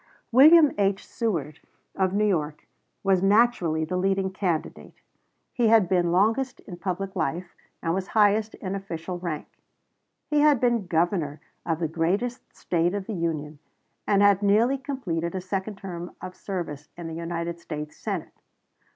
William H. Seward, of New York, was naturally the leading candidate. He had been longest in public life, and was highest in official rank. He had been Governor of the greatest State of the Union, and had nearly completed a second term of service in the United States Senate.